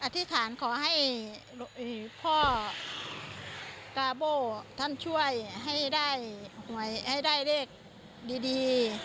อธิษฐานขอให้พ่อตาโบ้ท่านช่วยให้ได้หวยให้ได้เลขดี